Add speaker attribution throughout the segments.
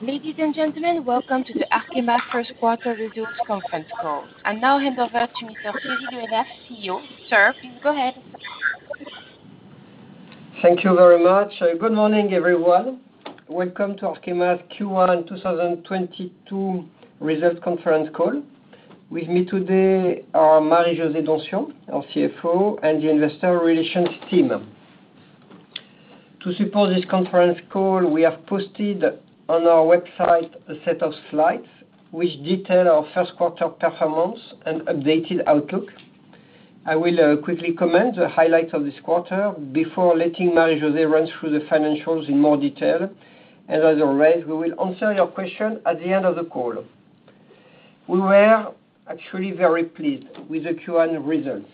Speaker 1: Ladies and gentlemen, welcome to the Arkema first quarter results conference call. I now hand over to Mr. Thierry Le Hénaff, CEO. Sir, please go ahead.
Speaker 2: Thank you very much. Good morning, everyone. Welcome to Arkema's Q1 2022 results conference call. With me today are Marie-José Donsion, our CFO, and the investor relations team. To support this conference call, we have posted on our website a set of slides which detail our first quarter performance and updated outlook. I will quickly comment the highlights of this quarter before letting Marie-José Donsion run through the financials in more detail. As always, we will answer your question at the end of the call. We were actually very pleased with the Q1 results.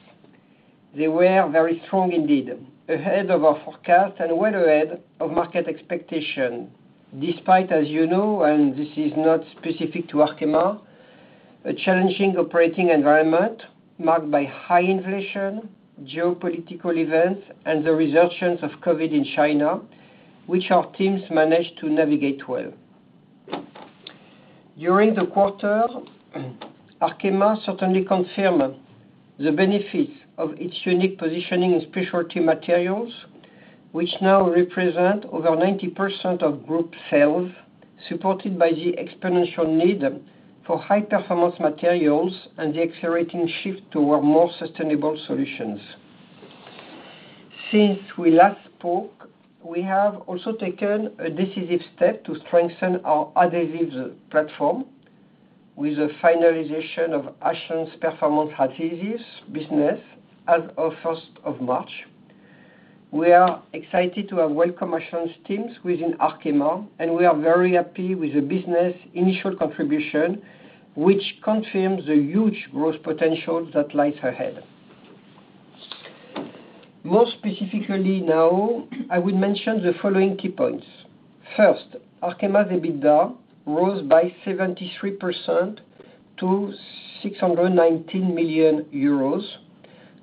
Speaker 2: They were very strong indeed, ahead of our forecast and well ahead of market expectation. Despite, as you know, and this is not specific to Arkema, a challenging operating environment marked by high inflation, geopolitical events, and the resurgence of COVID in China, which our teams managed to navigate well. During the quarter, Arkema certainly confirms the benefits of its unique positioning in Specialty Materials, which now represent over 90% of group sales, supported by the exponential need for high-performance materials and the accelerating shift toward more sustainable solutions. Since we last spoke, we have also taken a decisive step to strengthen our adhesives platform with the finalization of Ashland's Performance Adhesives business as of 1st of March. We are excited to have welcomed Ashland's teams within Arkema, and we are very happy with the business' initial contribution, which confirms the huge growth potential that lies ahead. More specifically now, I will mention the following key points. First, Arkema's EBITDA rose by 73% to 619 million euros.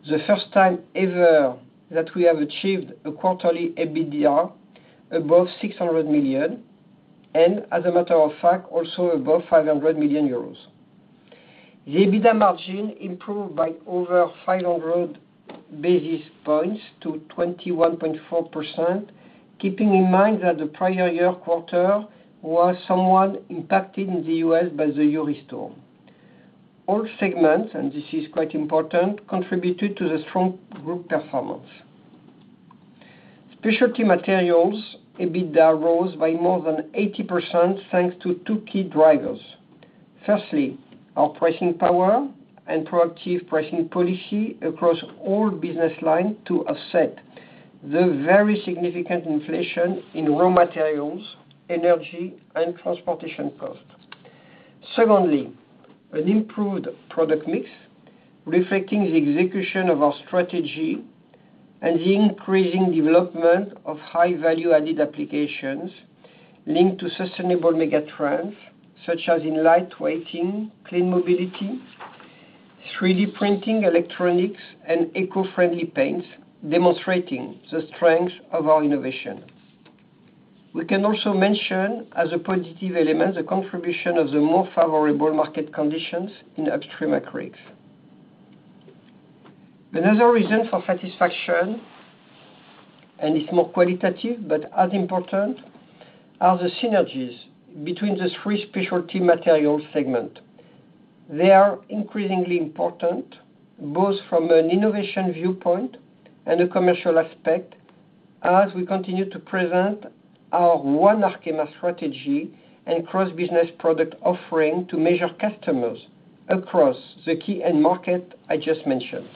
Speaker 2: The first time ever that we have achieved a quarterly EBITDA above 600 million and, as a matter of fact, also above 500 million euros. The EBITDA margin improved by over 500 basis points to 21.4%, keeping in mind that the prior year quarter was somewhat impacted in the U.S. by the Uri storm. All segments, and this is quite important, contributed to the strong group performance. Specialty Materials EBITDA rose by more than 80%, thanks to two key drivers. Firstly, our pricing power and proactive pricing policy across all business lines to offset the very significant inflation in raw materials, energy, and transportation costs. Secondly, an improved product mix reflecting the execution of our strategy and the increasing development of high-value-added applications linked to sustainable megatrends, such as in lightweighting, clean mobility, 3D printing, electronics, and eco-friendly paints, demonstrating the strength of our innovation. We can also mention, as a positive element, the contribution of the more favorable market conditions in Upstream Acrylics. Another reason for satisfaction, and it's more qualitative but as important, are the synergies between the three specialty materials segments. They are increasingly important, both from an innovation viewpoint and a commercial aspect, as we continue to present our One Arkema strategy and cross-business product offering to major customers across the key end markets I just mentioned.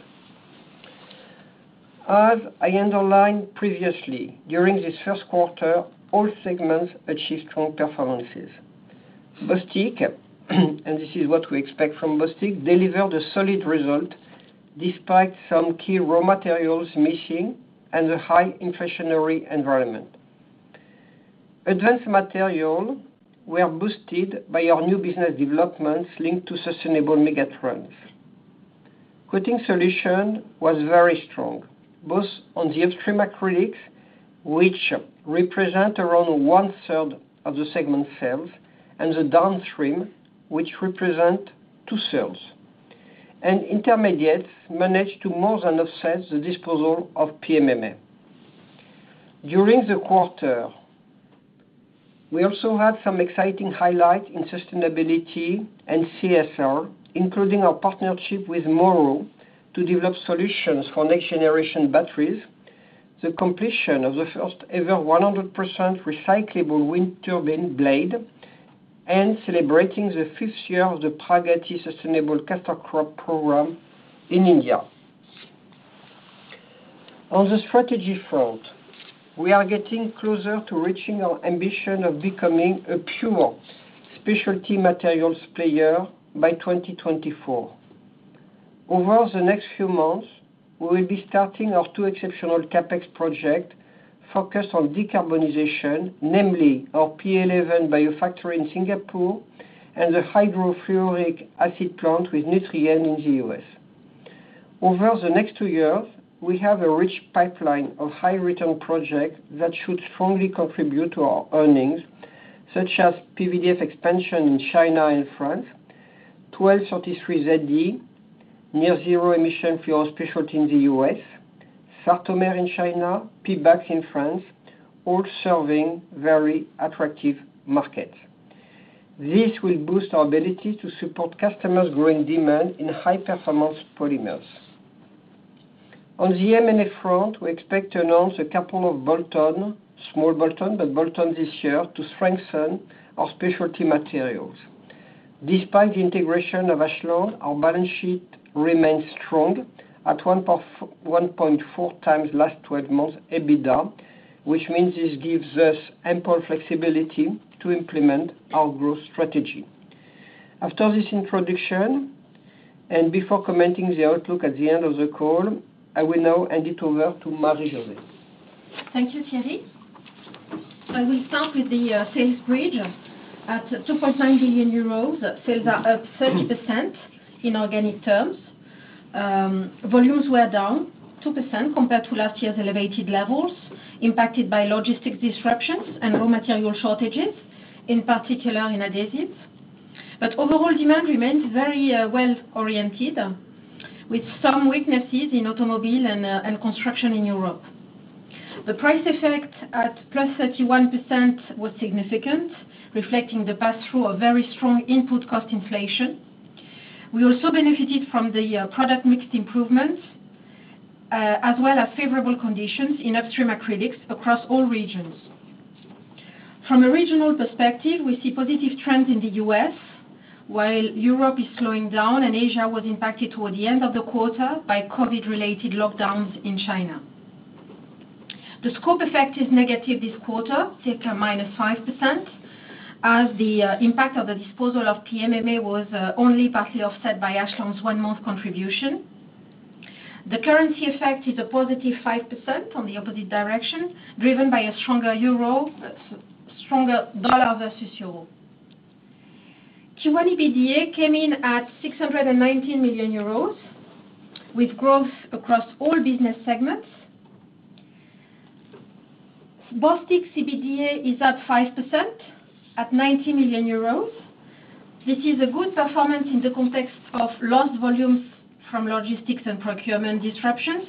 Speaker 2: As I underlined previously, during this first quarter, all segments achieved strong performances. Bostik, and this is what we expect from Bostik, delivered a solid result despite some key raw materials missing and a high inflationary environment. Advanced Materials were boosted by our new business developments linked to sustainable megatrends. Coating Solutions was very strong, both on the upstream acrylics, which represent around 1/3 of the segment sales, and the downstream, which represent 2/3 sales. Intermediates managed to more than offset the disposal of PMMA. During the quarter, we also had some exciting highlights in sustainability and CSR, including our partnership with Morrow to develop solutions for next-generation batteries, the completion of the first ever 100% recyclable wind turbine blade, and celebrating the fifth year of the Pragati Sustainable Castor Crop program in India. On the strategy front, we are getting closer to reaching our ambition of becoming a pure Specialty Materials player by 2024. Over the next few months, we will be starting our two exceptional CapEx projects focused on decarbonization, namely our PA11 BioFactory in Singapore and the hydrofluoric acid plant with Nutrien in the US. Over the next two years, we have a rich pipeline of high-return projects that should strongly contribute to our earnings, such as PVDF expansion in China and France, 1233zd, near zero emission fluorospecialty in the US, Sartomer in China, Pebax in France, all serving very attractive market. This will boost our ability to support customers growing demand in high-performance polymers. On the M&A front, we expect to announce a couple of small bolt-on this year to strengthen our specialty materials. Despite the integration of Ashland, our balance sheet remains strong at 1.4x last 12 months EBITDA, which means this gives us ample flexibility to implement our growth strategy. After this introduction, and before commenting the outlook at the end of the call, I will now hand it over to Marie-José.
Speaker 3: Thank you, Thierry. I will start with the sales bridge. At 2.9 billion euros, sales are up 30% in organic terms. Volumes were down 2% compared to last year's elevated levels, impacted by logistics disruptions and raw material shortages, in particular in adhesives. Overall demand remains very well-oriented, with some weaknesses in automobile and construction in Europe. The price effect at +31% was significant, reflecting the pass-through of very strong input cost inflation. We also benefited from the product mixed improvements, as well as favorable conditions in upstream acrylics across all regions. From a regional perspective, we see positive trends in the U.S., while Europe is slowing down and Asia was impacted toward the end of the quarter by COVID-related lockdowns in China. The scope effect is negative this quarter, take a -5%, as the impact of the disposal of PMMA was only partly offset by Ashland's one-month contribution. The currency effect is a +5% on the opposite direction, driven by a stronger dollar versus euro. Q1 EBITDA came in at 619 million euros, with growth across all business segments. Bostik EBITDA is at 5%, at 90 million euros. This is a good performance in the context of lost volumes from logistics and procurement disruptions,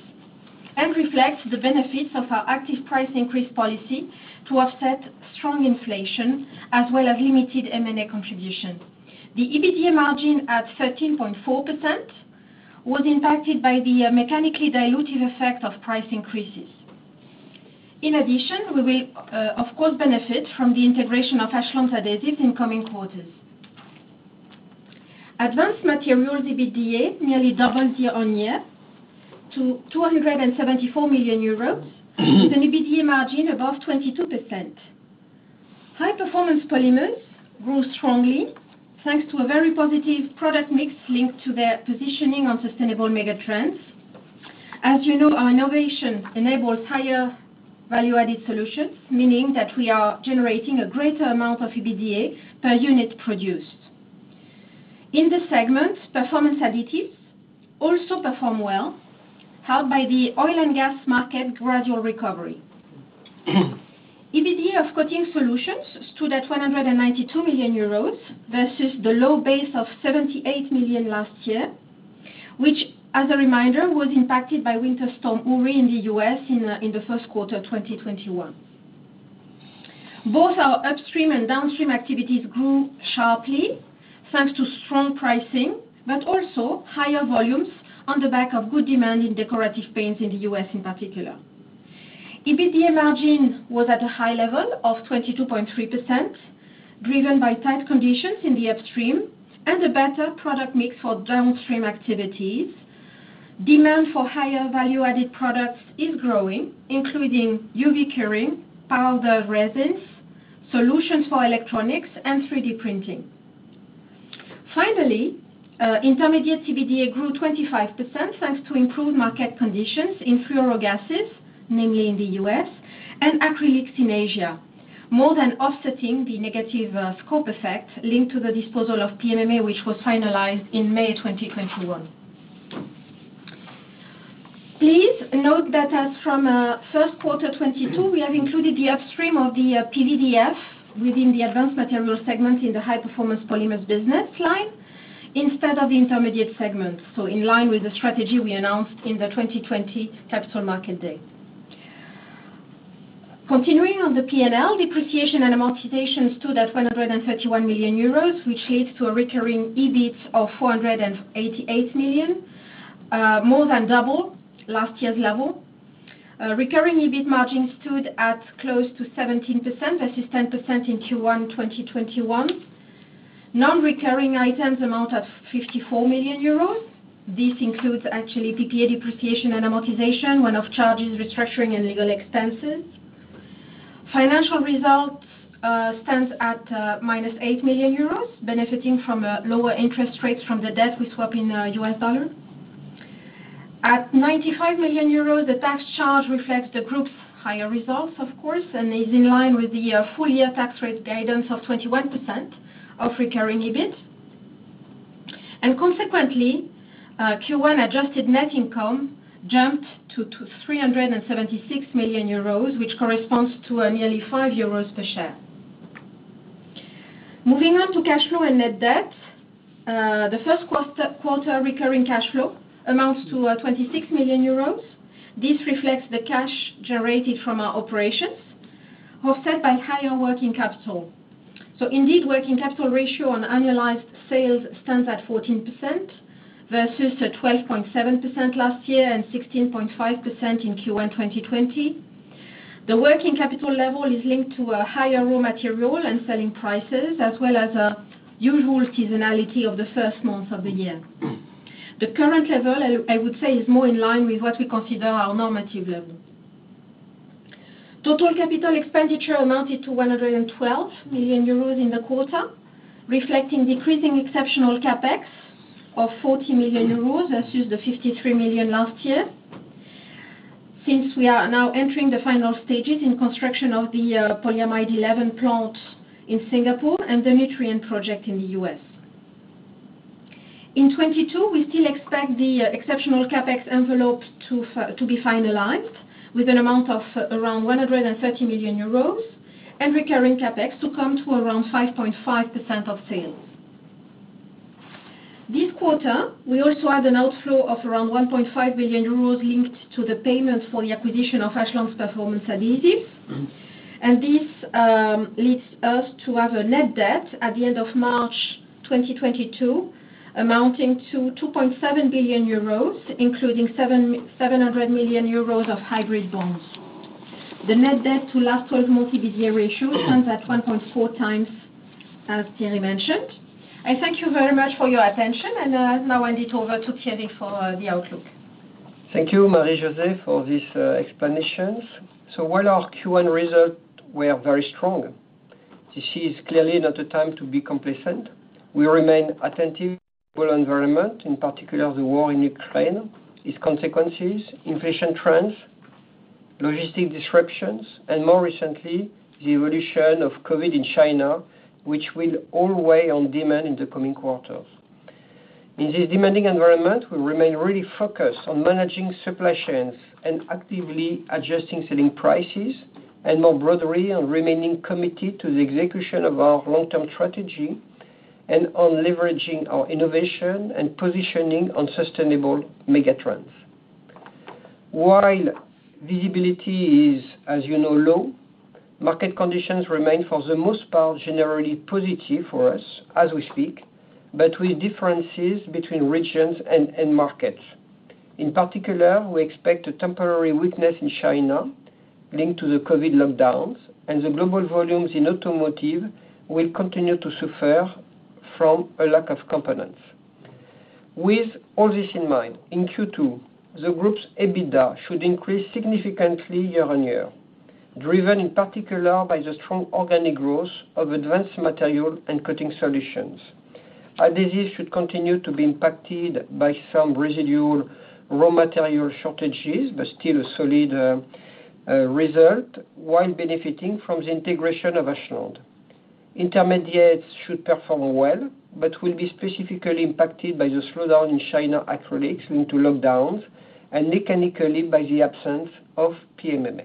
Speaker 3: and reflects the benefits of our active price increase policy to offset strong inflation, as well as limited M&A contribution. The EBITDA margin at 13.4% was impacted by the mechanically dilutive effect of price increases. In addition, we will, of course, benefit from the integration of Ashland's adhesives in coming quarters. Advanced Materials EBITDA nearly doubled year-on-year to 274 million euros with an EBITDA margin above 22%. High Performance Polymers grew strongly thanks to a very positive product mix linked to their positioning on sustainable megatrends. As you know, our innovation enables higher value-added solutions, meaning that we are generating a greater amount of EBITDA per unit produced. In this segment, performance additives also perform well, helped by the oil and gas market's gradual recovery. EBITDA of Coating Solutions stood at 192 million euros versus the low base of 78 million last year, which, as a reminder, was impacted by Winter Storm Uri in the US in the first quarter of 2021. Both our upstream and downstream activities grew sharply, thanks to strong pricing, but also higher volumes on the back of good demand in decorative paints in the US in particular. EBITDA margin was at a high level of 22.3%, driven by tight conditions in the upstream and a better product mix for downstream activities. Demand for higher value-added products is growing, including UV curing, powder resins, solutions for electronics, and 3D printing. Finally, Intermediates EBITDA grew 25%, thanks to improved market conditions in fluorogases, namely in the US, and acrylics in Asia, more than offsetting the negative scope effect linked to the disposal of PMMA, which was finalized in May 2021. Please note that as from first quarter 2022, we have included the upstream of the PVDF within the Advanced Materials segment in the High Performance Polymers business line instead of the Intermediates segment, so in line with the strategy we announced in the 2020 Capital Markets Day. Continuing on the P&L, depreciation and amortization stood at 131 million euros, which leads to a recurring EBIT of 488 million, more than double last year's level. Recurring EBIT margin stood at close to 17%. That is 10% in Q1 2021. Non-recurring items amount of 54 million euros. This includes actually PPA depreciation and amortization, one-off charges, restructuring, and legal expenses. Financial results stands at -8 million euros, benefiting from lower interest rates from the debt we swap in US dollar. At 95 million euros, the tax charge reflects the group's higher results, of course, and is in line with the full year tax rate guidance of 21% of recurring EBIT. Consequently, Q1 adjusted net income jumped to 376 million euros, which corresponds to nearly 5 euros per share. Moving on to cash flow and net debt. The first quarter recurring cash flow amounts to 26 million euros. This reflects the cash generated from our operations, offset by higher working capital. Indeed, working capital ratio on annualized sales stands at 14% versus the 12.7% last year and 16.5% in Q1 2020. The working capital level is linked to a higher raw material and selling prices, as well as a usual seasonality of the first month of the year. The current level, I would say, is more in line with what we consider our normative level. Total capital expenditure amounted to 112 million euros in the quarter, reflecting decreasing exceptional CapEx of 40 million euros versus the 53 million last year. Since we are now entering the final stages in construction of the polyamide 11 plant in Singapore and the Nutrien project in the US. In 2022, we still expect the exceptional CapEx envelope to be finalized with an amount of around 130 million euros and recurring CapEx to come to around 5.5% of sales. This quarter, we also had an outflow of around 1.5 billion euros linked to the payments for the acquisition of Ashland's Performance Adhesives. This leads us to have a net debt at the end of March 2022 amounting to 2.7 billion euros, including 700 million euros of hybrid bonds. The net debt to last 12 months EBITDA ratio stands at 1.4x, as Thierry mentioned. I thank you very much for your attention and I'll now hand it over to Thierry for the outlook.
Speaker 2: Thank you, Marie-José, for this explanation. While our Q1 results were very strong, this is clearly not the time to be complacent. We remain attentive to the environment, in particular the war in Ukraine, its consequences, inflation trends, logistical disruptions, and more recently, the evolution of COVID in China, which will all weigh on demand in the coming quarters. In this demanding environment, we remain really focused on managing supply chains and actively adjusting selling prices, and more broadly, on remaining committed to the execution of our long-term strategy and on leveraging our innovation and positioning on sustainable megatrends. While visibility is, as you know, low, market conditions remain, for the most part, generally positive for us as we speak, but with differences between regions and markets. In particular, we expect a temporary weakness in China linked to the COVID lockdowns, and the global volumes in automotive will continue to suffer from a lack of components. With all this in mind, in Q2, the group's EBITDA should increase significantly year-on-year, driven in particular by the strong organic growth of Advanced Materials and Coating Solutions. Adhesives should continue to be impacted by some residual raw material shortages, but still a solid result, while benefiting from the integration of Ashland. Intermediates should perform well, but will be specifically impacted by the slowdown in China acrylics due to lockdowns and mechanically by the absence of PMMA.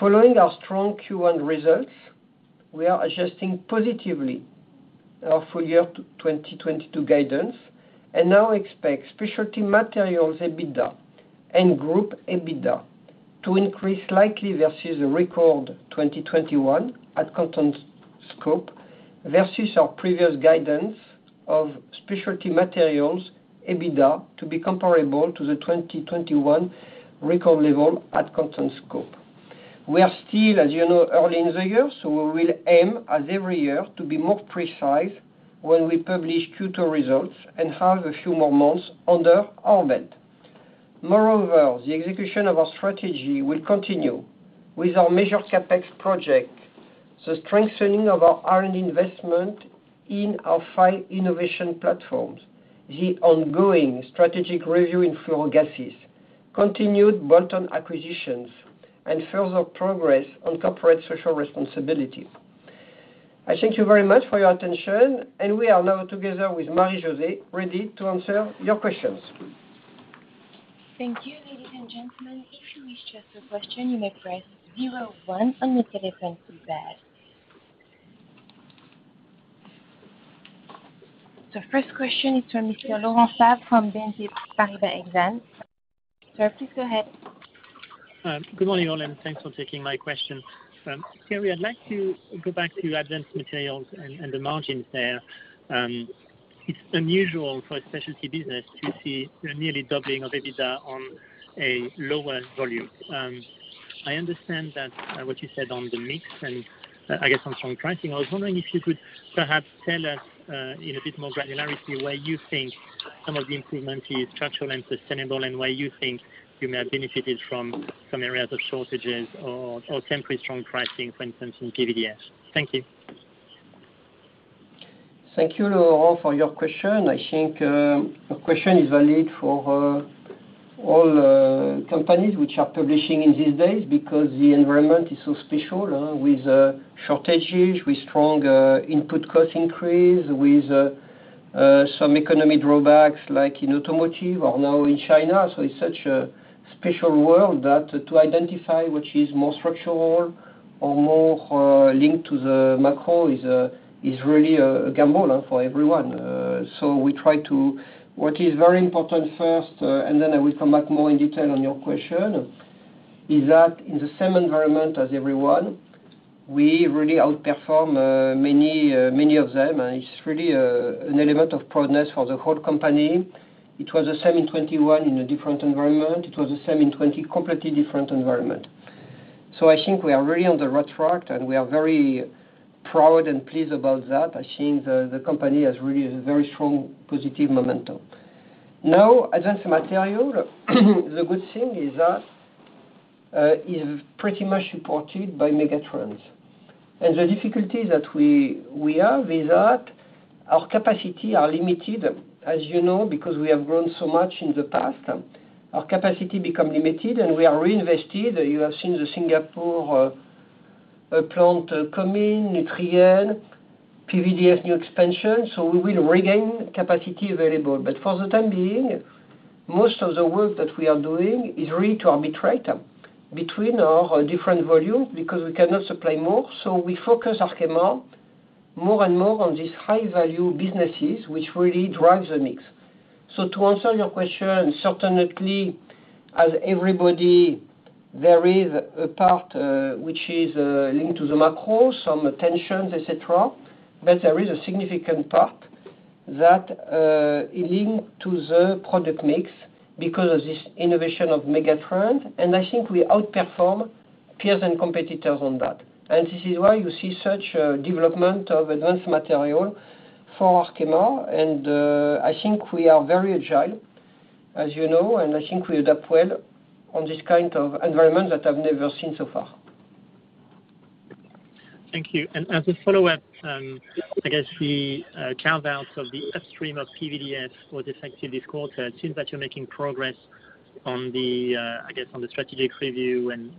Speaker 2: Following our strong Q1 results, we are adjusting positively our full-year 2022 guidance and now expect Specialty Materials EBITDA and Group EBITDA to increase likely versus a record 2021 at constant scope versus our previous guidance of Specialty Materials EBITDA to be comparable to the 2021 record level at constant scope. We are still, as you know, early in the year, so we will aim as every year to be more precise when we publish Q2 results and have a few more months under our belt. Moreover, the execution of our strategy will continue with our major CapEx project, the strengthening of our R&D investment in our five innovation platforms, the ongoing strategic review in fluorogases, continued bolt-on acquisitions, and further progress on corporate social responsibility. I thank you very much for your attention, and we are now together with Marie-José ready to answer your questions.
Speaker 1: Thank you, ladies and gentlemen. If you wish to ask a question, you may press zero one on your telephone keypad. The first question is from Mr. Laurent Favre from BNP Paribas Exane. Sir, please go ahead.
Speaker 4: Good morning, all, and thanks for taking my question. Thierry, I'd like to go back to Advanced Materials and the margins there. It's unusual for a specialty business to see a nearly doubling of EBITDA on a lower volume. I understand that what you said on the mix and I guess on strong pricing. I was wondering if you could perhaps tell us in a bit more granularity where you think some of the improvement is structural and sustainable, and where you think you may have benefited from some areas of shortages or temporary strong pricing, for instance, in PVDF. Thank you.
Speaker 2: Thank you, Laurent, for your question. I think your question is valid for all companies which are publishing in these days because the environment is so special, with the shortages, with strong input cost increase, with some economy drawbacks like in automotive or now in China. It's such a special world that to identify which is more structural or more linked to the macro is really a gamble for everyone. What is very important first, and then I will come back more in detail on your question, is that in the same environment as everyone, we really outperform many of them. It's really an element of proudness for the whole company. It was the same in 2021 in a different environment. It was the same in 2020, completely different environment. I think we are really on the right track, and we are very proud and pleased about that. I think the company has really a very strong positive momentum. Now, Advanced Materials, the good thing is that is pretty much supported by megatrends. The difficulty that we have is that our capacity are limited, as you know, because we have grown so much in the past. Our capacity become limited, and we are reinvested. You have seen the Singapore plant coming, Nutrien, PVDF new expansion, so we will regain capacity available. For the time being, most of the work that we are doing is really to arbitrate between our different volumes because we cannot supply more. We focus Arkema more and more on these high-value businesses which really drive the mix. To answer your question, certainly, as everybody, there is a part which is linked to the macro, some tensions, et cetera, but there is a significant part that is linked to the product mix because of this innovation of megatrend. I think we outperform peers and competitors on that. This is why you see such a development of Advanced Materials for Arkema. I think we are very agile, as you know, and I think we adapt well on this kind of environment that I've never seen so far.
Speaker 4: Thank you. As a follow-up, I guess the carve-outs of the upstream of PVDF for this active quarter, it seems that you're making progress on the, I guess, on the strategic review and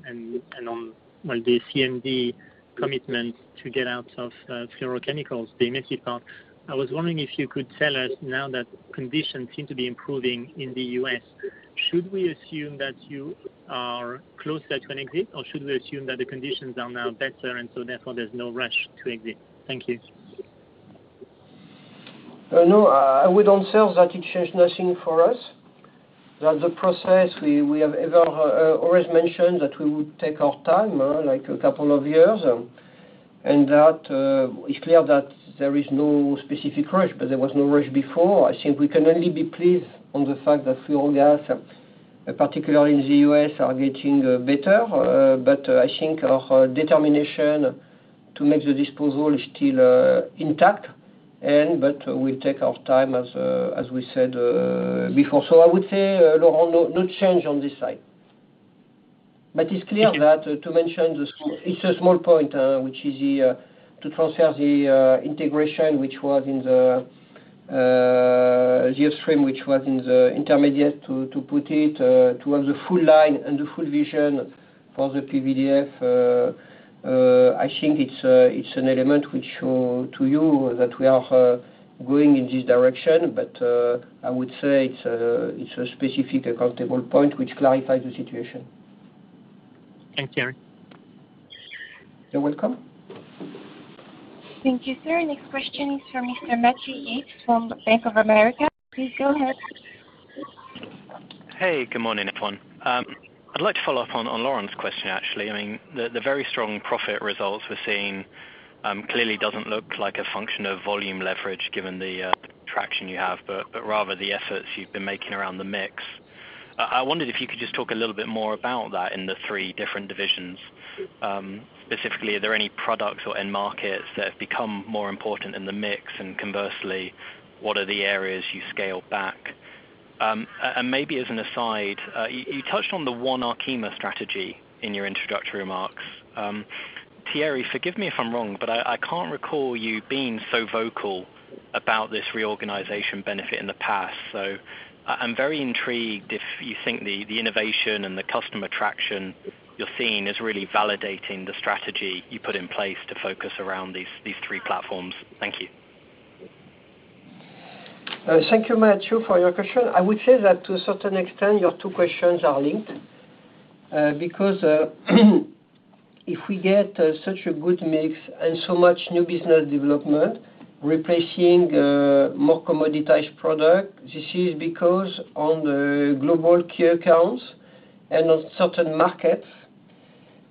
Speaker 4: on, well, the CMD commitment to get out of fluorochemicals, the emitted part. I was wondering if you could tell us now that conditions seem to be improving in the US, should we assume that you are closer to an exit, or should we assume that the conditions are now better and so therefore there's no rush to exit? Thank you.
Speaker 2: No, I would answer that it changed nothing for us. That the process we have always mentioned that we would take our time, like a couple of years, and that it's clear that there is no specific rush. There was no rush before. I think we can only be pleased on the fact that fluorogases, particularly in the U.S., are getting better. I think our determination to make the disposal is still intact, but we'll take our time as we said before. I would say, Laurent, no change on this side. It's clear that to mention the small— It's a small point, which is to transfer the integration which was in the upstream, which was in the Intermediates to put it to have the full line and the full vision for the PVDF. I think it's an element which shows you that we are going in this direction. I would say it's a specific accounting point which clarifies the situation.
Speaker 4: Thanks, Thierry.
Speaker 2: You're welcome.
Speaker 1: Thank you, sir. Next question is from Mr. Matthew Yates from Bank of America. Please go ahead.
Speaker 5: Hey, good morning, everyone. I'd like to follow up on Laurent's question, actually. I mean, the very strong profit results we're seeing clearly doesn't look like a function of volume leverage given the traction you have, but rather the efforts you've been making around the mix. I wondered if you could just talk a little bit more about that in the three different divisions. Specifically, are there any products or end markets that have become more important in the mix? Conversely, what are the areas you scaled back? Maybe as an aside, you touched on the One Arkema strategy in your introductory remarks. Thierry, forgive me if I'm wrong, but I can't recall you being so vocal about this reorganization benefit in the past. I'm very intrigued if you think the innovation and the customer traction you're seeing is really validating the strategy you put in place to focus around these three platforms. Thank you.
Speaker 2: Thank you, Matthew, for your question. I would say that to a certain extent, your two questions are linked, because if we get such a good mix and so much new business development replacing more commoditized product, this is because on the global key accounts and on certain markets,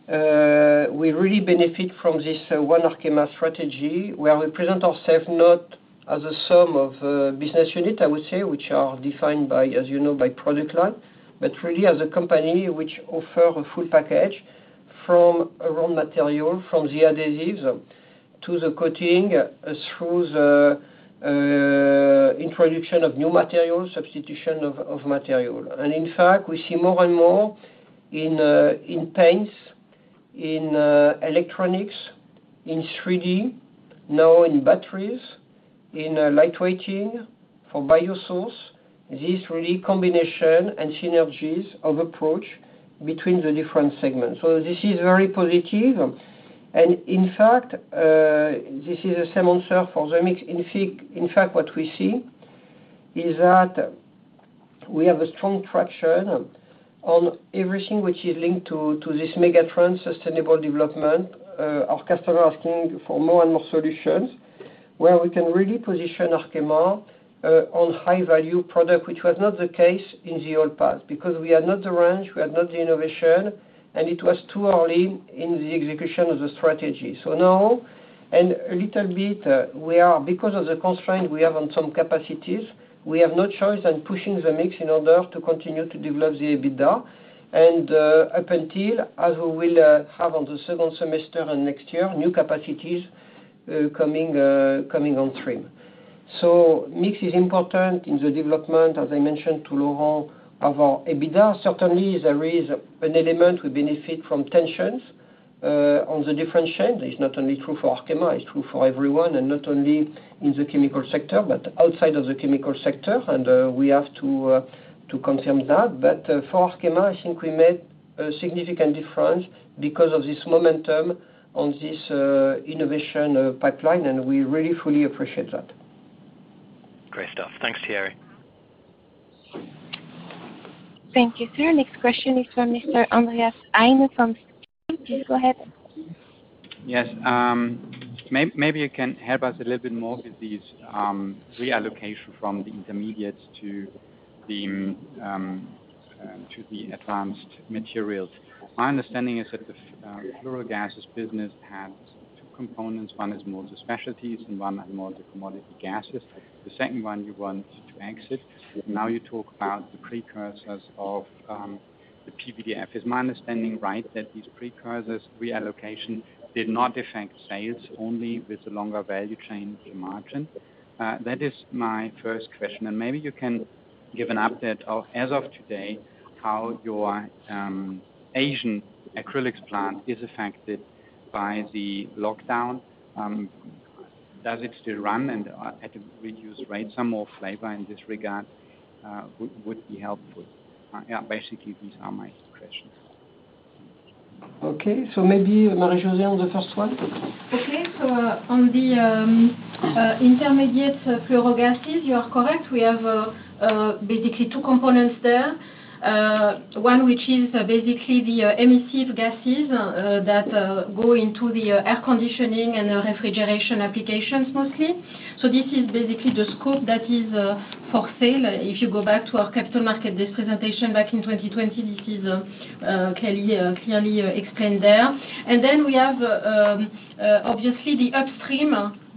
Speaker 2: we really benefit from this One Arkema strategy, where we present ourselves not as a sum of a business unit, I would say, which are defined by, as you know, by product line, but really as a company which offer a full package from a raw material, from the adhesives to the coating, through the introduction of new materials, substitution of material. In fact, we see more and more in paints, in electronics, in 3D, now in batteries, in light-weighting for biosourced. This real combination and synergies of approach between the different segments. This is very positive. In fact, this is the same answer for the mix. In fact, what we see is that we have a strong traction on everything which is linked to this megatrend sustainable development. Our customer asking for more and more solutions where we can really position Arkema on high-value product, which was not the case in the old path. Because we had not the range, we had not the innovation, and it was too early in the execution of the strategy. Now, and a little bit, we are because of the constraint we have on some capacities, we have no choice than pushing the mix in order to continue to develop the EBITDA. Up until, as we will have on the second semester and next year, new capacities coming on stream. Mix is important in the development, as I mentioned to Laurent, of our EBITDA. Certainly, there is an element we benefit from tensions on the differentiation. It's not only true for Arkema, it's true for everyone, and not only in the chemical sector, but outside of the chemical sector, and we have to confirm that. For Arkema, I think we made a significant difference because of this momentum on this innovation pipeline, and we really fully appreciate that.
Speaker 5: Great stuff. Thanks, Thierry.
Speaker 1: Thank you, sir. Next question is from Mr. Andreas Heine from Stifel. Please go ahead.
Speaker 6: Yes. Maybe you can help us a little bit more with these reallocation from the Intermediates to the Advanced Materials. My understanding is that the fluorogases business has two components. One is more the specialties and one more the commodity gases. The second one you want to exit.
Speaker 2: Yes.
Speaker 6: Now you talk about the precursors of the PVDF. Is my understanding right that these precursors reallocation did not affect sales, only with the longer value chain, the margin? That is my first question. Maybe you can give an update of, as of today, how your Asian acrylics plant is affected by the lockdown. Does it still run and at a reduced rate? Some more flavor in this regard would be helpful. Yeah, basically, these are my questions.
Speaker 2: Okay. Maybe, Marie-José, on the first one.
Speaker 3: Okay. On the Intermediates, fluorogases, you are correct. We have basically two components there. One which is basically the emissive gases that go into the air conditioning and refrigeration applications mostly. This is basically the scope that is for sale. If you go back to our capital markets presentation back in 2020, this is clearly explained there. We have obviously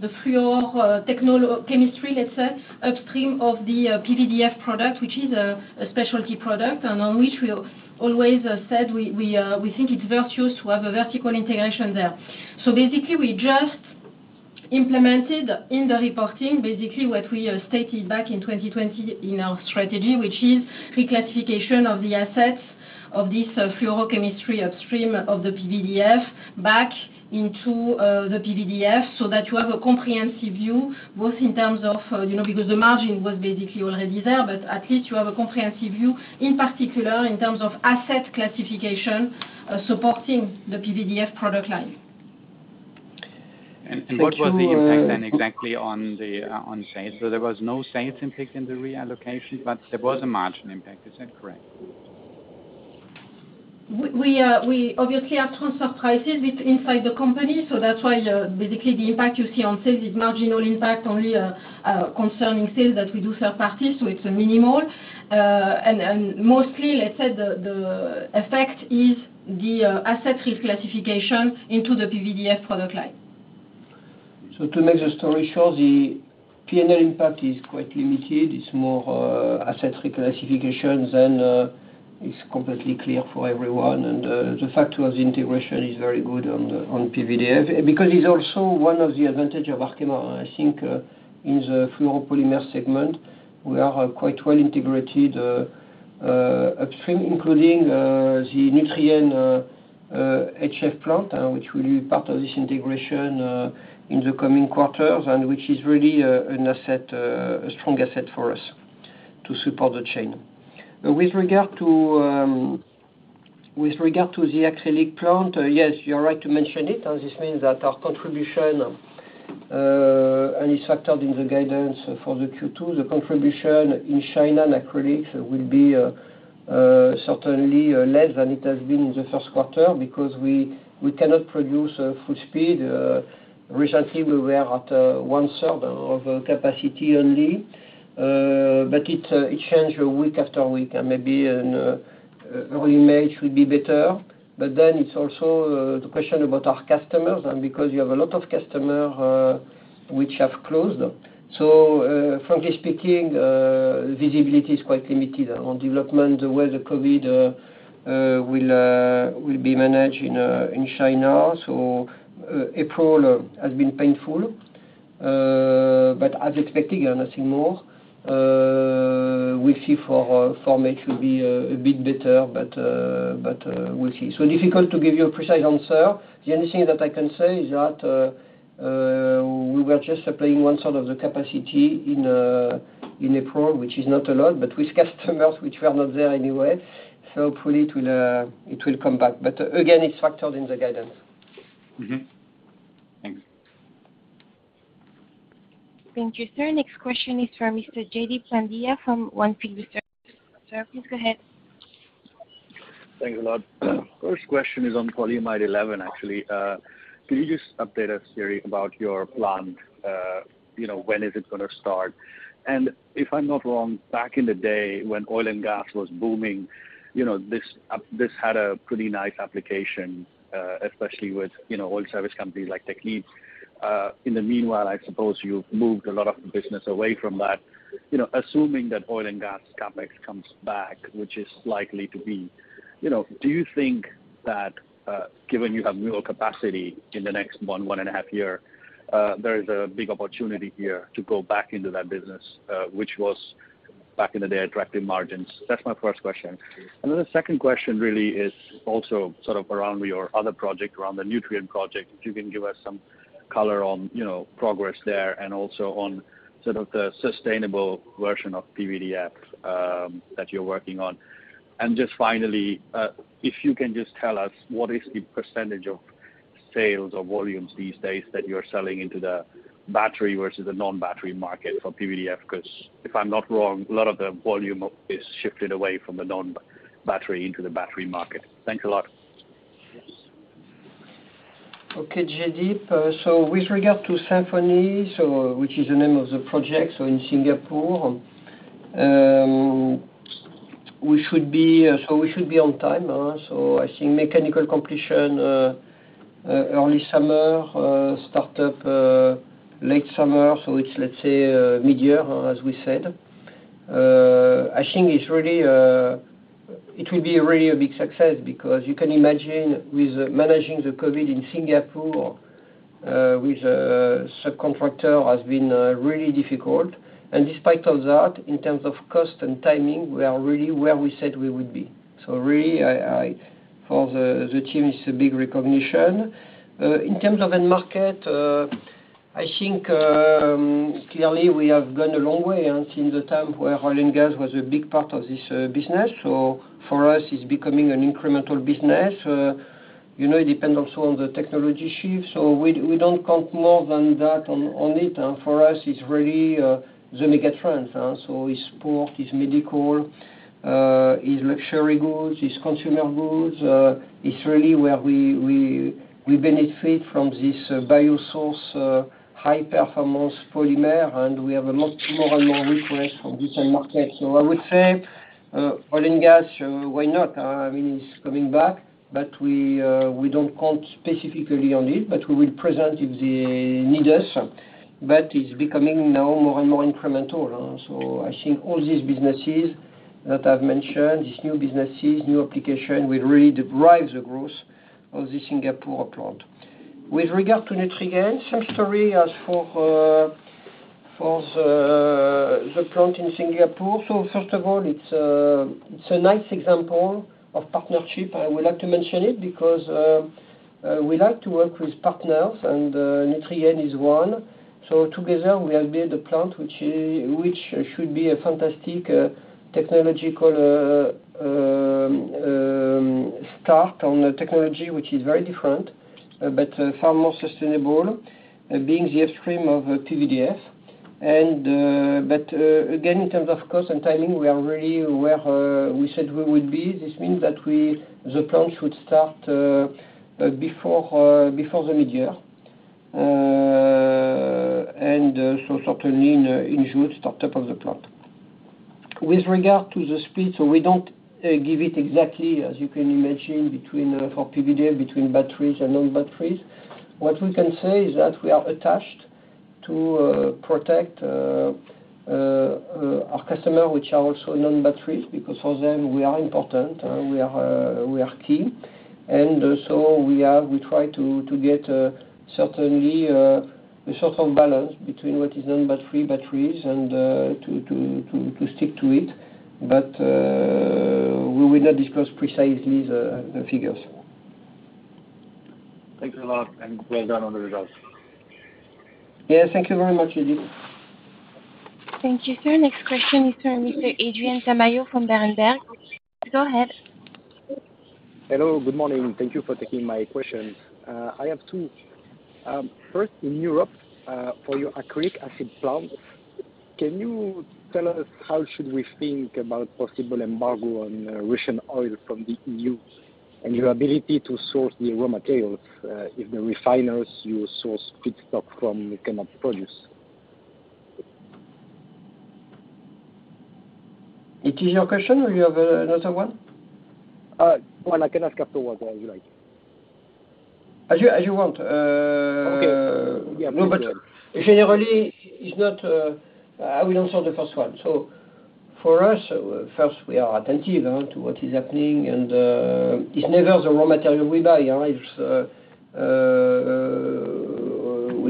Speaker 3: the upstream, the fluorochemical chemistry, let's say, upstream of the PVDF product, which is a specialty product, and on which we always have said we think it's virtuous to have a vertical integration there. Basically, we just implemented in the reporting, basically what we stated back in 2020 in our strategy, which is reclassification of the assets of this fluorochemistry upstream of the PVDF back into the PVDF, so that you have a comprehensive view, both in terms of, you know, because the margin was basically already there, but at least you have a comprehensive view, in particular, in terms of asset classification, supporting the PVDF product line.
Speaker 6: What was the impact then exactly on the, on sales? There was no sales impact in the reallocation, but there was a margin impact. Is that correct?
Speaker 3: We obviously have transfer prices within the company, so that's why basically the impact you see on sales is marginal impact only concerning sales that we do third party, so it's minimal. Mostly, let's say the effect is the asset reclassification into the PVDF product line.
Speaker 2: To make the story short, the P&L impact is quite limited. It's more asset reclassification than it's completely clear for everyone. The fact we have the integration is very good on the PVDF. Because it's also one of the advantage of Arkema, I think, in the fluoropolymer segment, we are quite well integrated upstream, including the Nutrien HF plant, which will be part of this integration in the coming quarters, and which is really an asset, a strong asset for us to support the chain. With regard to the acrylic plant, yes, you're right to mention it. This means that our contribution, and it's factored in the guidance for the Q2, the contribution in China and acrylics will be certainly less than it has been in the first quarter because we cannot produce full speed. Recently we were at one third of capacity only. It changes week after week, and maybe in early May it will be better. Then it's also the question about our customers and because you have a lot of customer which have closed. Frankly speaking, visibility is quite limited on development, the way the COVID will be managed in China. April has been painful, as expected, nothing more. We'll see for format should be a bit better, but we'll see. Difficult to give you a precise answer. The only thing that I can say is that we were just applying one sort of the capacity in April, which is not a lot, but with customers which were not there anyway. Hopefully it will come back. Again, it's factored in the guidance.
Speaker 6: Mm-hmm. Thanks.
Speaker 1: Thank you, sir. Next question is from Mr. Jaideep Pandya from On Field Investment. Sir, please go ahead.
Speaker 7: Thanks a lot. First question is on polyamide 11, actually. Can you just update us, Thierry, about your plant? You know, when is it gonna start? If I'm not wrong, back in the day, when oil and gas was booming, you know, this had a pretty nice application, especially with, you know, oil service companies like Technip Energies. In the meanwhile, I suppose you've moved a lot of the business away from that. You know, assuming that oil and gas CapEx comes back, which is likely to be, you know, do you think that, given you have newer capacity in the next one and a half year, there is a big opportunity here to go back into that business, which was back in the day driving margins? That's my first question. Then the second question really is also sort of around your other project, around the Nutrien project. If you can give us some color on, you know, progress there and also on sort of the sustainable version of PVDF, that you're working on. Just finally, if you can just tell us what is the percentage of sales or volumes these days that you're selling into the battery versus the non-battery market for PVDF, 'cause if I'm not wrong, a lot of the volume is shifted away from the non-battery into the battery market. Thanks a lot.
Speaker 2: Okay, Jaideep. With regard to Symphony, which is the name of the project, in Singapore, we should be on time. I think mechanical completion early summer, start up late summer. It's, let's say, midyear, as we said. I think it's really, it will be really a big success because you can imagine with managing the COVID in Singapore, with a subcontractor has been really difficult. Despite all that, in terms of cost and timing, we are really where we said we would be. Really, for the team is a big recognition. In terms of end market, I think clearly we have gone a long way and since the time where oil and gas was a big part of this business. For us, it's becoming an incremental business. You know, it depends also on the technology shift. We don't count more than that on it. For us, it's really the megatrend. It's sport, it's medical, it's luxury goods, it's consumer goods. It's really where we benefit from this biosourced high-performance polymer, and we have a lot more and more requests from different markets. I would say oil and gas, why not? I mean, it's coming back, but we don't count specifically on it, but we will present if they need us. It's becoming now more and more incremental. I think all these businesses that I've mentioned, these new businesses, new application, will really drive the growth of the Singapore plant. With regard to Nutrien, same story as for the plant in Singapore. First of all, it's a nice example of partnership. I would like to mention it because we like to work with partners, and Nutrien is one. Together we have built a plant which should be a fantastic technological start on a technology which is very different, but far more sustainable, being the extreme of PVDF. But again, in terms of cost and timing, we are really where we said we would be. This means that the plant should start before the midyear. Certainly in June, start up of the plant. With regard to the split, we don't give it exactly, as you can imagine, between, for PVDF, between batteries and non-batteries. What we can say is that we are attached to protect our customer, which are also non-batteries, because for them we are important, we are key. We try to get certainly a sort of balance between what is non-battery, batteries and to stick to it. We will not discuss precisely the figures.
Speaker 7: Thanks a lot and well done on the results.
Speaker 2: Yeah, thank you very much, JD.
Speaker 1: Thank you, sir. Next question is from Mr. Adrian Tamayo from Berenberg. Go ahead.
Speaker 8: Hello, good morning. Thank you for taking my questions. I have two. First in Europe, for your acrylic acid plant, can you tell us how should we think about possible embargo on Russian oil from the EU and your ability to source the raw materials, if the refiners you source feedstock from cannot produce?
Speaker 2: It is your question, or you have another one?
Speaker 8: One. I can ask up to one if you like.
Speaker 2: As you want.
Speaker 8: Okay. Yeah.
Speaker 2: No battery. Generally, it's not. I will answer the first one. For us, first we are attentive to what is happening, and it's never the raw material we buy,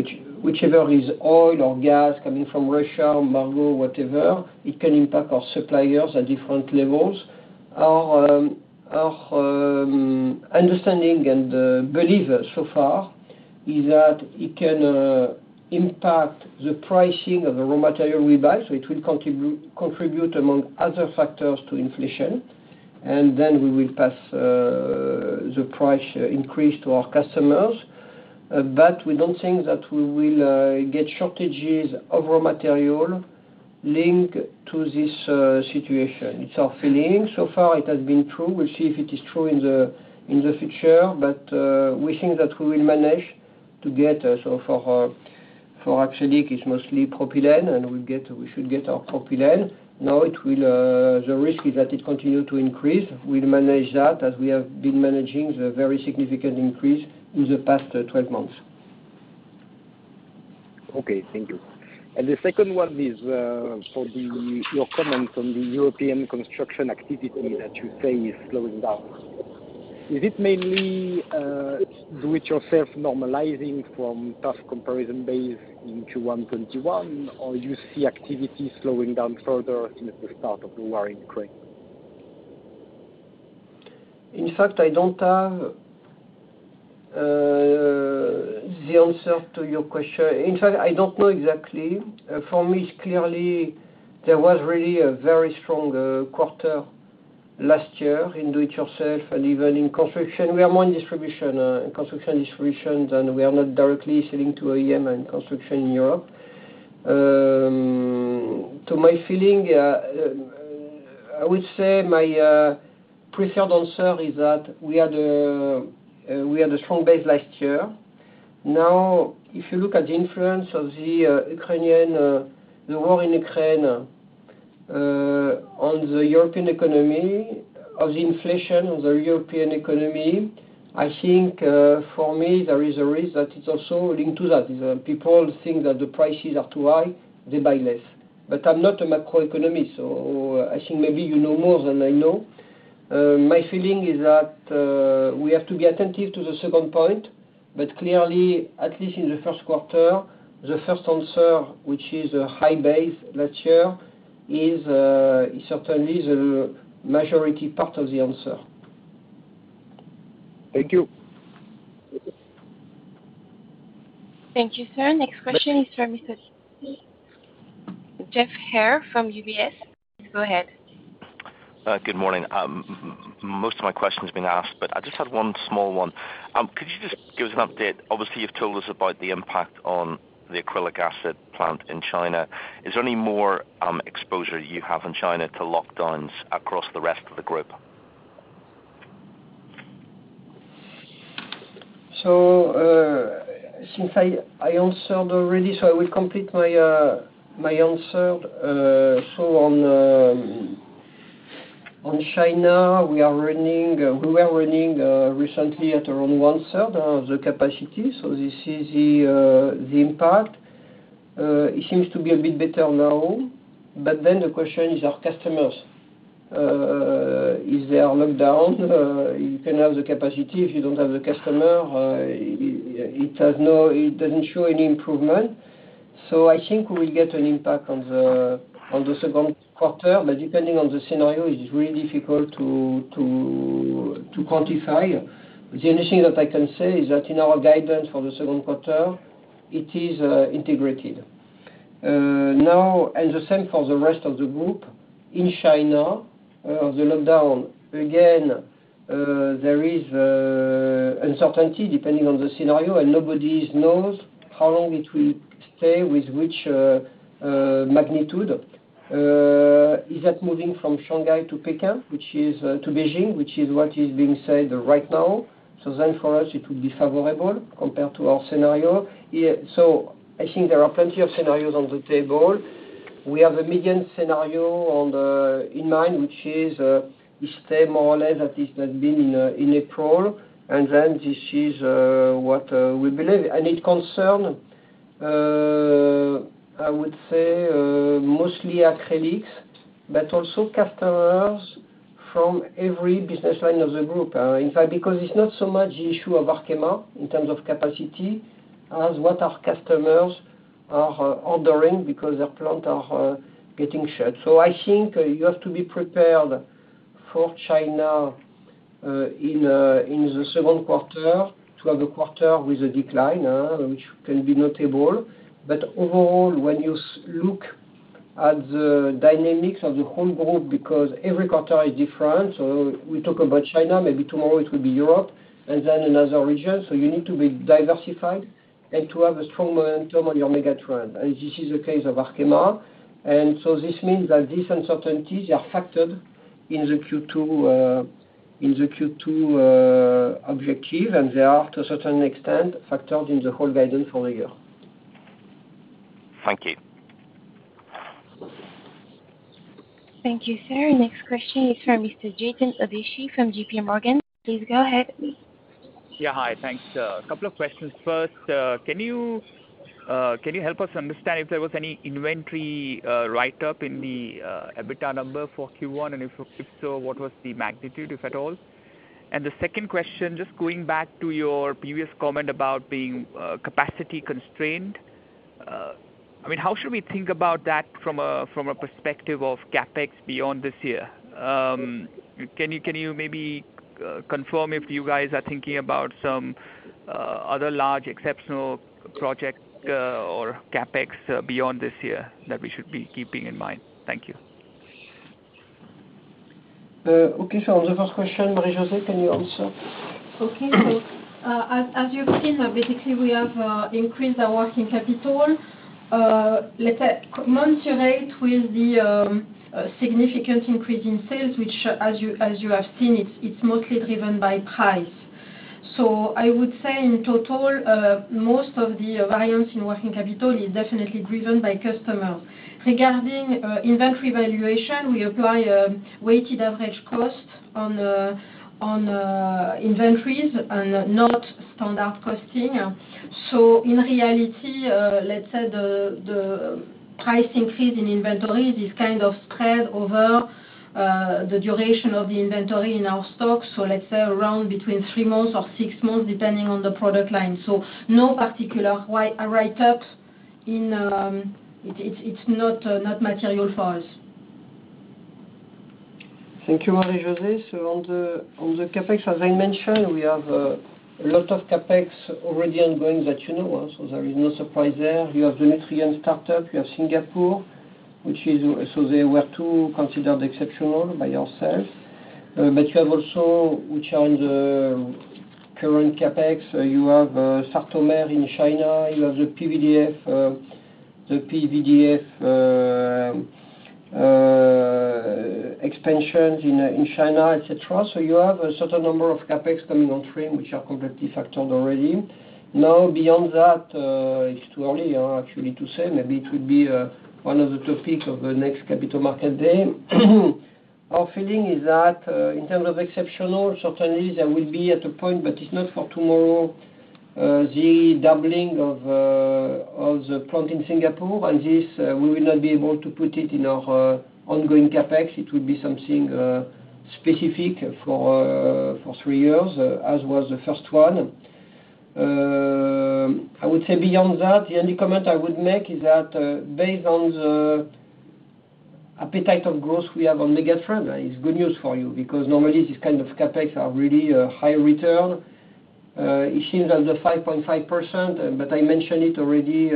Speaker 2: it's whichever is oil or gas coming from Russia, embargo, whatever, it can impact our suppliers at different levels. Our understanding and belief so far is that it can impact the pricing of the raw material we buy, so it will contribute among other factors to inflation. Then we will pass the price increase to our customers. We don't think that we will get shortages of raw material linked to this situation. It's our feeling. So far it has been true. We'll see if it is true in the future. We think that we will manage to get, so for Acrylic, it's mostly propylene, and we should get our propylene. Now, the risk is that it continue to increase. We'll manage that as we have been managing the very significant increase in the past 12 months.
Speaker 8: Okay, thank you. The second one is for your comment on the European construction activity that you say is slowing down. Is it mainly do-it-yourself normalizing from tough comparison base in Q1 2021, or you see activity slowing down further in the start of the war in Ukraine?
Speaker 2: In fact, I don't have the answer to your question. In fact, I don't know exactly. For me, it's clearly there was really a very strong quarter last year in do it yourself and even in construction. We are more in distribution, construction distribution, and we are not directly selling to OEM and construction in Europe. To my feeling, I would say my preferred answer is that we had a strong base last year. Now, if you look at the influence of the war in Ukraine on the European economy, and the inflation on the European economy, I think, for me, there is a risk that it's also linked to that. It's people think that the prices are too high, they buy less. I'm not a macroeconomist, so I think maybe you know more than I know. My feeling is that, we have to be attentive to the second point, but clearly, at least in the first quarter, the first answer, which is a high base last year, is certainly the majority part of the answer.
Speaker 8: Thank you.
Speaker 1: Thank you, sir. Next question is from Mr. Geoff Haire from UBS. Please go ahead.
Speaker 9: Good morning. Most of my questions have been asked, but I just had one small one. Could you just give us an update? Obviously, you've told us about the impact on the acrylic acid plant in China. Is there any more exposure you have in China to lockdowns across the rest of the group?
Speaker 2: Since I answered already, so I will complete my answer. On China, we were running recently at around 1/3 of the capacity, so this is the impact. It seems to be a bit better now, but the question is our customers. If they are locked down, you can have the capacity. If you don't have the customer, it doesn't show any improvement. I think we'll get an impact on the second quarter, but depending on the scenario, it is really difficult to quantify. The only thing that I can say is that in our guidance for the second quarter, it is integrated. Now, the same for the rest of the group, in China, the lockdown, again, there is uncertainty depending on the scenario, and nobody knows how long it will stay, with which magnitude. Is that moving from Shanghai to Beijing, which is what is being said right now? For us, it would be favorable compared to our scenario. Yeah. I think there are plenty of scenarios on the table. We have a median scenario in mind, which is, we stay more or less at least than being in April, and then this is what we believe. It concerns, I would say, mostly acrylics, but also customers from every business line of the group. In fact, because it's not so much the issue of Arkema in terms of capacity as what our customers are ordering because their plants are getting shut. I think you have to be prepared for China in the second quarter to have a quarter with a decline, which can be notable. Overall, when you look at the dynamics of the whole group, because every quarter is different, we talk about China, maybe tomorrow it will be Europe and then another region. You need to be diversified and to have a strong momentum on your megatrend. This is the case of Arkema. This means that these uncertainties are factored in the Q2 objective, and they are, to a certain extent, factored in the whole guidance for the year.
Speaker 9: Thank you.
Speaker 1: Thank you, sir. Next question is from Mr. Chetan Udeshi from JPMorgan. Please go ahead.
Speaker 10: Yeah. Hi. Thanks. A couple of questions. First, can you help us understand if there was any inventory write up in the EBITDA number for Q1? And if so, what was the magnitude, if at all? The second question, just going back to your previous comment about being capacity constrained. I mean, how should we think about that from a perspective of CapEx beyond this year? Can you maybe confirm if you guys are thinking about some other large exceptional project or CapEx beyond this year that we should be keeping in mind? Thank you.
Speaker 2: Okay. On the first question, Marie-José, can you answer?
Speaker 3: Okay. As you've seen, basically, we have increased our working capital, let's say, month to date with the significant increase in sales, which, as you have seen, it's mostly driven by price. I would say in total, most of the variance in working capital is definitely driven by customers. Regarding inventory valuation, we apply a weighted average cost on the inventories and not standard costing. In reality, let's say the price increase in inventories is kind of spread over the duration of the inventory in our stocks. Let's say around between three months or six months, depending on the product line. No particular write-ups. It's not material for us.
Speaker 2: Thank you, Marie-José. On the CapEx, as I mentioned, we have a lot of CapEx already ongoing that you know. There is no surprise there. We have the Nutrien startup. We have Singapore, which is so these two were considered exceptional by ourselves. But we have also, which are in the current CapEx, you have Sartomer in China. You have the PVDF expansions in China, et cetera. You have a certain number of CapEx coming on stream, which are completely factored already. Now, beyond that, it's too early, actually, to say. Maybe it will be one of the topics of the next capital market day. Our feeling is that, in terms of exceptional, certainly there will be at a point, but it's not for tomorrow, the doubling of the plant in Singapore. This, we will not be able to put it in our ongoing CapEx. It will be something specific for three years, as was the first one. I would say beyond that, the only comment I would make is that, based on the appetite of growth we have on megatrend, it's good news for you because normally these kind of CapEx are really a high return. It seems that the 5.5%, but I mentioned it already,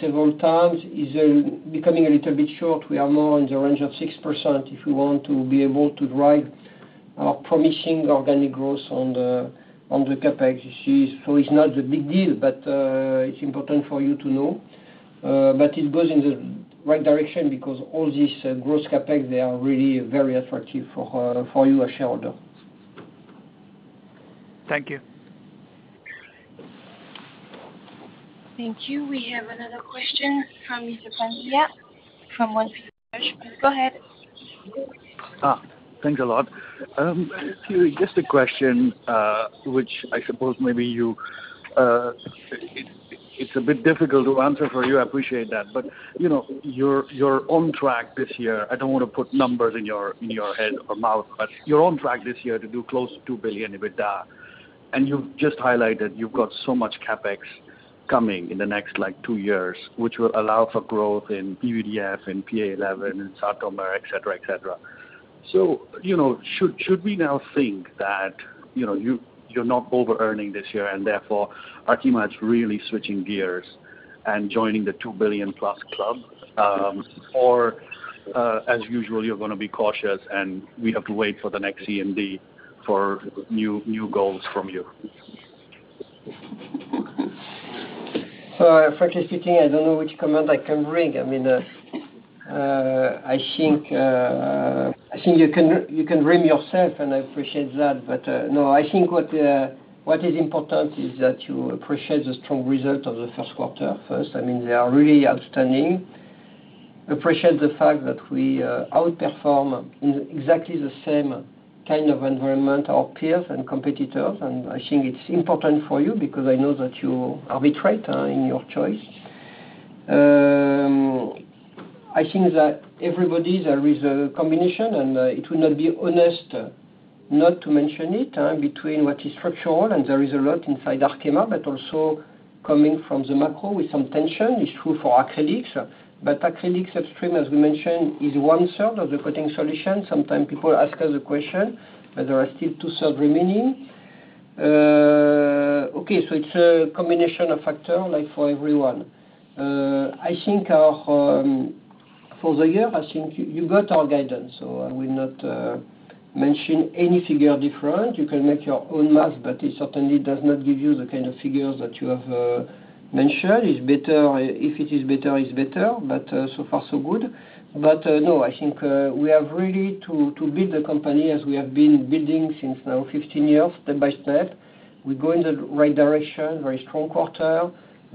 Speaker 2: several times, is becoming a little bit short. We are more in the range of 6% if we want to be able to drive our promising organic growth on the CapEx. It's not a big deal, but it's important for you to know. It goes in the right direction because all this growth CapEx, they are really very attractive for you as shareholder.
Speaker 10: Thank you.
Speaker 1: Thank you. We have another question from. [inaudible] Go ahead.
Speaker 11: Thanks a lot. Just a question, which I suppose maybe you, it's a bit difficult to answer for you. I appreciate that. You know, you're on track this year. I don't wanna put numbers in your head or mouth, but you're on track this year to do close to 2 billion EBITDA. You've just highlighted you've got so much CapEx coming in the next, like, two years, which will allow for growth in PVDF, in PA11, in Sartomer, et cetera, et cetera. You know, should we now think that you're not overearning this year and therefore Arkema is really switching gears and joining the 2+ billion club? Or, as usual, you're gonna be cautious, and we have to wait for the next CMD for new goals from you?
Speaker 2: Frankly speaking, I don't know which comment I can bring. I mean, I think you can dream yourself, and I appreciate that. No, I think what is important is that you appreciate the strong result of the first quarter first. I mean, they are really outstanding. Appreciate the fact that we outperform in exactly the same kind of environment, our peers and competitors. I think it's important for you because I know that you arbitrate in your choice. I think that everybody, there is a combination, and it will not be honest not to mention it, between what is structural, and there is a lot inside Arkema, but also coming from the macro with some tension. It's true for acrylics, but acrylics upstream, as we mentioned, is one-third of the Coating Solutions. Sometimes people ask us a question that there are still two-thirds remaining. Okay, so it's a combination of factors, like for everyone. For the year, I think you got our guidance, so I will not mention any figure different. You can make your own math, but it certainly does not give you the kind of figures that you have mentioned. It's better. If it is better, it's better. So far so good. No, I think we have really to build the company as we have been building since now 15 years step by step. We're going the right direction, very strong quarter,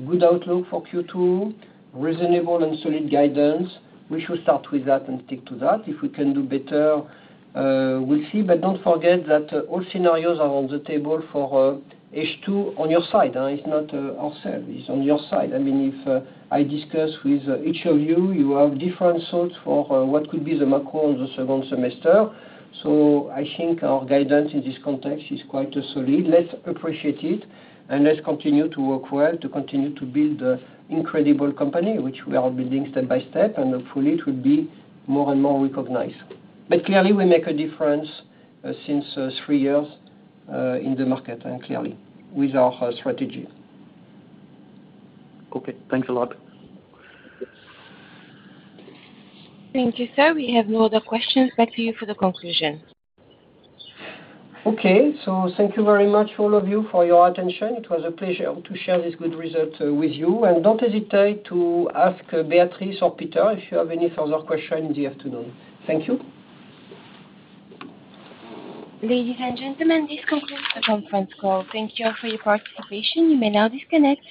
Speaker 2: good outlook for Q2, reasonable and solid guidance. We should start with that and stick to that. If we can do better, we'll see. Don't forget that all scenarios are on the table for H2 on your side. It's not ourselves. It's on your side. I mean, if I discuss with each of you have different thoughts for what could be the macro in the second semester. I think our guidance in this context is quite solid. Let's appreciate it, and let's continue to work well to continue to build the incredible company which we are building step by step, and hopefully it will be more and more recognized. Clearly, we make a difference since three years in the market, and clearly with our strategy.
Speaker 11: Okay, thanks a lot.
Speaker 1: Thank you, sir. We have no other questions. Back to you for the conclusion.
Speaker 2: Okay. Thank you very much all of you for your attention. It was a pleasure to share this good result with you. Don't hesitate to ask Beatrice or Peter if you have any further questions in the afternoon. Thank you.
Speaker 1: Ladies and gentlemen, this concludes the conference call. Thank you all for your participation. You may now disconnect.